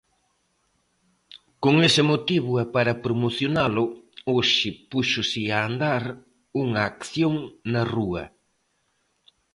Con ese motivo e para promocionalo, hoxe púxose a andar unha acción na rúa.